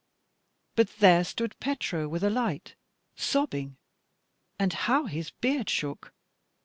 But there stood Petro with a light, sobbing, and how his beard shook!